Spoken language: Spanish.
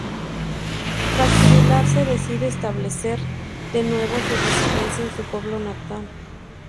Tras jubilarse, decide establecer de nuevo su residencia en su pueblo natal.